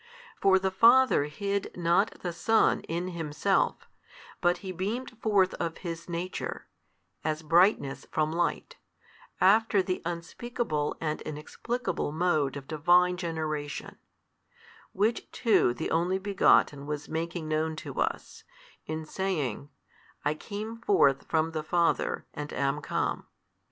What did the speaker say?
For the Father hid not the Son in Himself, but He beamed forth of His Nature, as brightness from light, after the unspeakable and inexplicable mode of Divine Generation: which too the Only Begotten was making known to us, in saying, I came forth from the Father, and am come.